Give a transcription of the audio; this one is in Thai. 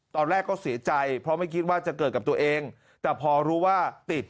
ตอนแรกก็เสียใจเพราะไม่คิดว่าจะเกิดกับตัวเองแต่พอรู้ว่าติด